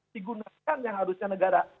digunakan yang harusnya negara